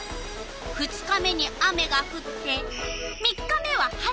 ２日目に雨がふって３日目は晴れる。